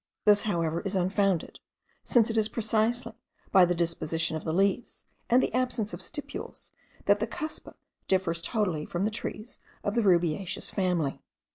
This, however, is unfounded; since it is precisely by the disposition of the leaves, and the absence of stipules, that the cuspa differs totally from the trees of the rubiaceous family.